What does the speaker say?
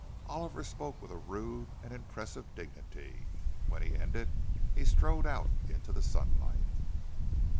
Oliver spoke with a rude and impressive dignity. When he ended he strode out into the sunlight.